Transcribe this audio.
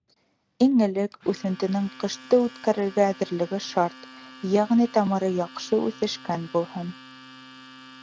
Иң элек үҫентенең ҡышты үткәрергә әҙерлеге шарт, йәғни тамыры яҡшы үҫешкән булһын.